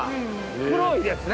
黒いですね。